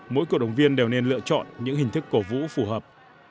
mỗi cổ động viên đều nên lựa chọn những hình thức cổ vũ phù hợp